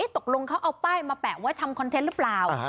ตกลงเขาเอาป้ายมาแปะไว้ทำคอนเทนต์หรือเปล่า